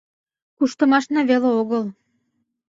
Куштымашна веле огыл –